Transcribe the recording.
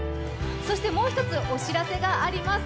そしてもう１つお知らせがあります。